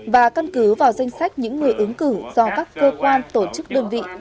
và căn cứ vào danh sách những người ứng cử do các cơ quan tổ chức đơn vị ở trung ương